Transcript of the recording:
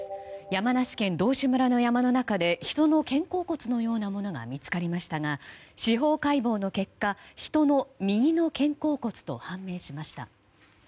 山梨県道志村の山の中で人の肩甲骨のようなものが見つかりましたが司法解剖の結果人の右の肩甲骨と判明しました。